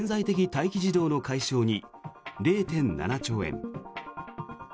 待機児童の解消に０．７兆円。